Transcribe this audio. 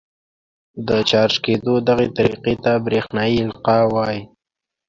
د چارج کېدو دغې طریقې ته برېښنايي القاء وايي.